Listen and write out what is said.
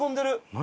何？